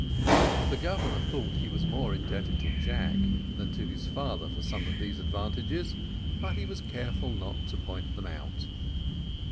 The Governor thought that he was more indebted to Jack than to his father for some of these advantages, but he was careful not to point them out.